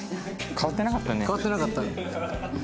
変わってなかった。